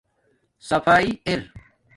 صفاݷݵ ار